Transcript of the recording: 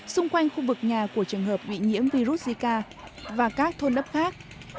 xung quanh khu vực nhà của trường hợp bị nhiễm virus zika và các thôn lớp khác